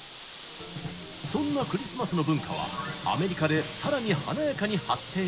そんなクリスマスの文化はアメリカで更に華やかに発展していくのです。